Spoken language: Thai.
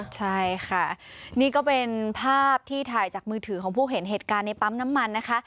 ใช่ค่ะนี่ก็เป็นภาพที่ถ่ายจากมือถือของผู้เห็นเหตุการณ์ในปั๊มน้ำมันนะคะ